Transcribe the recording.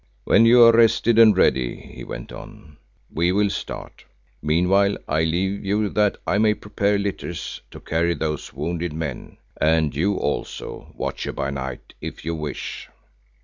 "When you are rested and ready," he went on, "we will start. Meanwhile I leave you that I may prepare litters to carry those wounded men, and you also, Watcher by Night, if you wish."